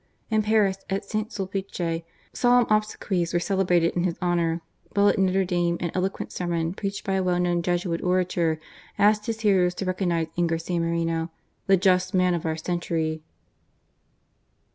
In Paris, at St. Sulpice, solemn obsequies were celebrated in his honour, while at Notre Dame an eloquent sermon preached by a well known Jesuit orator asked his hearers to recognize in Garcia Moreno "the just man of pur century."